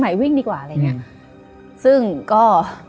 และยินดีต้อนรับทุกท่านเข้าสู่เดือนพฤษภาคมครับ